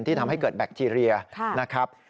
ทำให้เกิดแบคทีเรียนะครับ